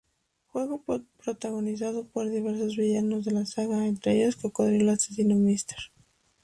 Juego protagonizado por diversos villanos de la saga, entre ellos Cocodrilo asesino, Mr.